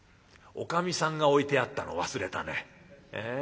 おかみさんが置いてあったのを忘れたね。